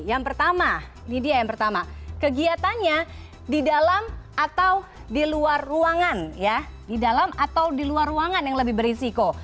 yang pertama ini dia yang pertama kegiatannya di dalam atau di luar ruangan ya di dalam atau di luar ruangan yang lebih berisiko